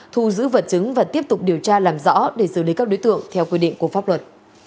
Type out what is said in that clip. thu giữ vật chứng và tiếp tục điều tra làm rõ để xử lý các đối tượng theo quy định của pháp luật